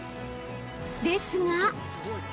［ですが］